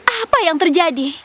apa yang terjadi